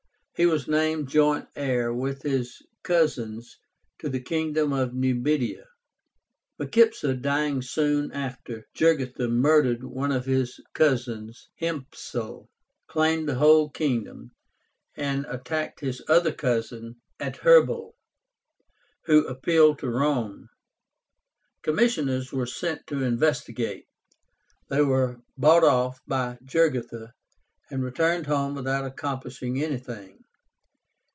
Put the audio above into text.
He was named joint heir with his cousins to the kingdom of Numidia. Micipsa dying soon after, Jugurtha murdered one of his cousins, Hiempsal, claimed the whole kingdom, and attacked his other cousin, Adherbal, who appealed to Rome. Commissioners were sent to investigate. They were bought off by Jugurtha, and returned home without accomplishing anything.